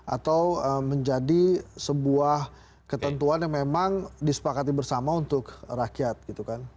atau menjadi sebuah ketentuan yang memang disepakati bersama untuk rakyat gitu kan